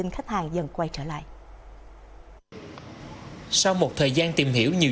khách hàng trẻ thì họ